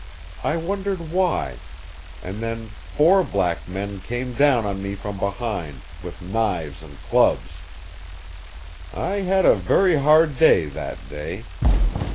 I wondered why; and then four black men came down on me from behind, with knives and clubs. "I had a very hard day, that day.